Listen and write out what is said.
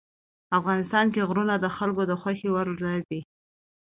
افغانستان کې غرونه د خلکو د خوښې وړ ځای دی.